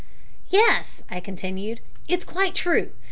"Yes," I continued, "it's quite true.